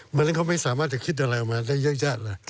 มันก็ไม่สามารถจะคิดอะไรออกมาได้เยอะแยะ